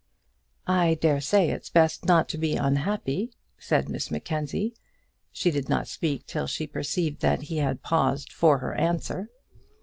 "I dare say it's best not to be unhappy," said Miss Mackenzie. She did not speak till she perceived that he had paused for her answer.